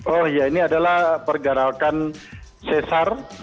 oh ya ini adalah pergerakan sesar